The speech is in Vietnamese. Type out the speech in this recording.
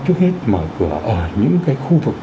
trước hết mở cửa ở những cái khu vực